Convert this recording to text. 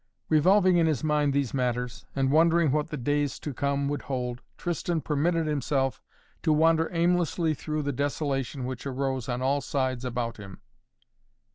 Revolving in his mind these matters, and wondering what the days to come would hold, Tristan permitted himself to wander aimlessly through the desolation which arose on all sides about him.